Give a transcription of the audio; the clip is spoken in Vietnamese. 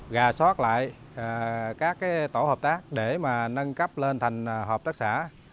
gà sót lại các tổ hợp tác để nâng cấp lên thành hợp tác xã